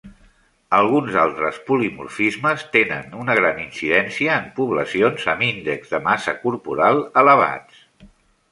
Alguns altres polimorfismes tenen una gran incidència en poblacions amb índexs de massa corporal elevats.